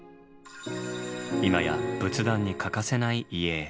今や仏壇に欠かせない遺影。